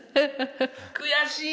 悔しい！